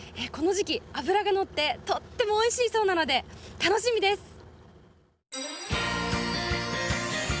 この時期脂が乗ってとってもおいしいそうなので楽しみです。